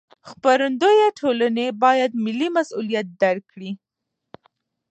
خپرندویه ټولنې باید ملي مسوولیت درک کړي.